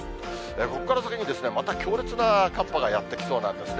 ここから先にまた強烈な寒波がやって来そうなんですね。